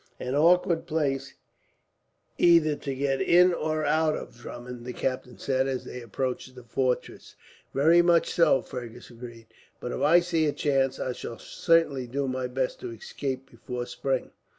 "An awkward place either to get in or out of, Drummond," the captain said, as they approached the fortress. "Very much so," Fergus agreed. "But if I see a chance, I shall certainly do my best to escape before spring."